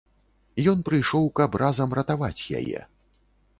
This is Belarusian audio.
Ён прыйшоў, каб разам ратаваць яе.